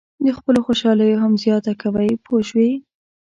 د خپلو خوشالیو هم زیاته کوئ پوه شوې!.